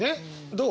どう？